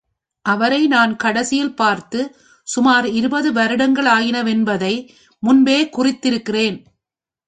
அவரை நான் கடைசியில் பார்த்து, சுமார் இருபது வருடங்களாயினவென்பதை முன்பே குறித்திருக்கிறேன்.